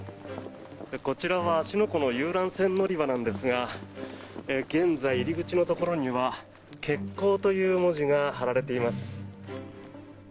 こちらは芦ノ湖の遊覧船乗り場なんですが現在、入り口のところには欠航という文字が貼られています。